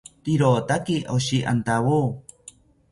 Rirotaki oshi antawo